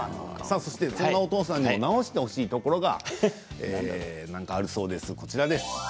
そんなお父さんにも直してほしいところがあるそうです。